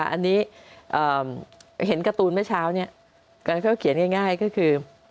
อันนี้เห็นการ์ตูนเมื่อเช้านี้เขาเขียนง่ายก็คือ